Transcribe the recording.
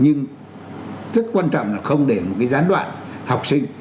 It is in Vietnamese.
nhưng rất quan trọng là không để một cái gián đoạn học sinh